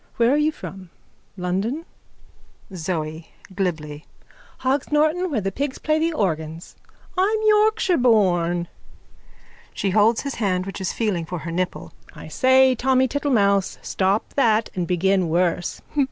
Where are you from? London? ZOE: (Glibly.) Hog's Norton where the pigs plays the organs. I'm Yorkshire born. (She holds his hand which is feeling for her nipple.) I say, Tommy Tittlemouse. Stop that and begin worse.